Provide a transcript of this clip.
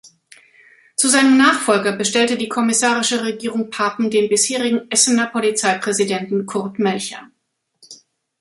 Zu seinem Nachfolger bestellte die kommissarische Regierung Papen den bisherigen Essener Polizeipräsidenten Kurt Melcher.